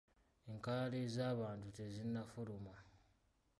Enkalala ez’abantu tezinnafuluma.